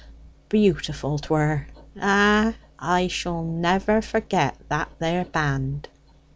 Beautiful 'twere! Ah, I shall never forget that there band!"